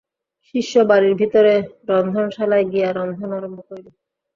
শিষ্য বাড়ীর ভিতরে রন্ধনশালায় গিয়া রন্ধন আরম্ভ করিল।